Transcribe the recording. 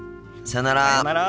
さよなら。